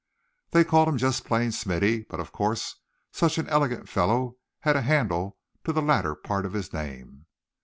They called him just plain "Smithy," but of course such an elegant fellow had a handle to the latter part of his name.